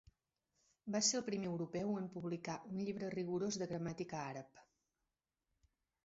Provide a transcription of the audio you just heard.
Va ser el primer europeu en publicar un llibre rigorós de gramàtica àrab.